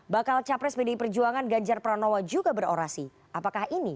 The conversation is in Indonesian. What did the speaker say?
bakal capres bdi perjuangan ganjar pranowo juga berorasi apakah ini